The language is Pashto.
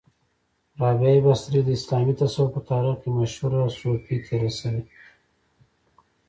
را بعه بصري د اسلامې تصوف په تاریخ کې مشهوره صوفۍ تیره شوی